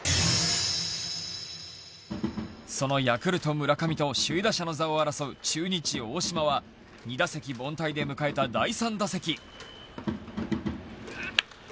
そのヤクルト・村上と首位打者の座を争う中日・大島は２打席凡退で迎えた第３打席。